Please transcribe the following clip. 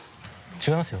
違います？